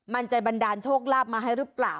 มันจะบรรดาโชคลาบมาให้หรือเปล่า